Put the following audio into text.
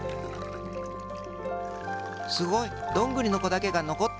すごい！どんぐりのこだけがのこった。